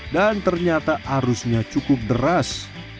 dan ternyata arusnya cukup beras